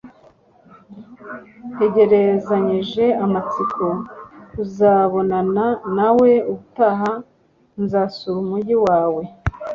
ntegerezanyije amatsiko kuzabonana nawe ubutaha nzasura umujyi wawe